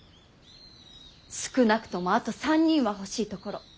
少なくともあと３人は欲しいところ。